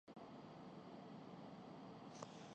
نا پسندیدہ شخص